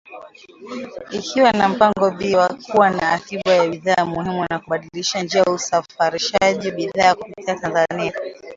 Ikiwa na mpango B wa kuwa na akiba ya bidhaa muhimu na kubadilisha njia usafarishaji bidhaa kupitia Tanzania